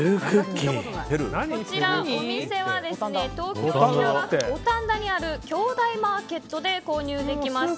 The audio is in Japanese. こちらのお店は東京・品川区五反田にあるキョウダイマーケットで購入できます。